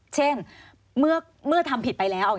เช่นเมื่อทำผิดไปแล้ว